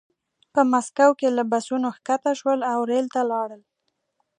په مسکو کې له بسونو ښکته شول او ریل ته لاړل